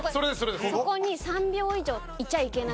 そこに３秒以上いちゃいけない。